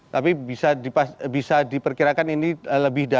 tapi bisa diperkirakan ini lebih dari